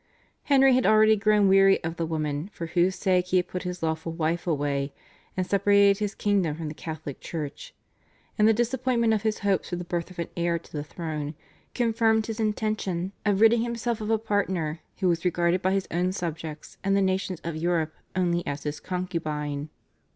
Henry had already grown weary of the woman for whose sake he had put his lawful wife away and separated his kingdom from the Catholic Church, and the disappointment of his hopes for the birth of an heir to the throne confirmed his intention of ridding himself of a partner, who was regarded by his own subjects and the nations of Europe only as his concubine.